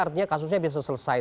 artinya kasusnya bisa selesai